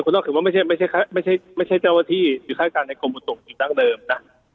คนนอกคือว่าไม่ใช่เจ้าที่หรือค่ายการในกรมประตูอยู่ด้านเดิมนะ